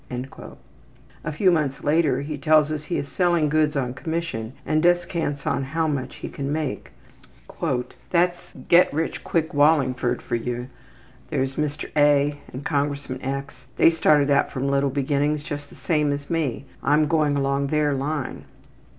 '' A few months later he tells us he is selling goods on commission and descants on how much he can make: ``That's `Get rich quick Wallingford' for you. There's Mr. A. and Congressman X., they started out from little beginnings just the same as me. I'm going along their line.